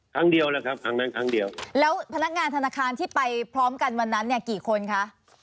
ครั้งเดียวแล้วครับครั้งนั้นครั้งเดียวแล้วพนักงานธนาคารที่ไปพร้อมกันวันนั้นเนี่ยกี่คนคะ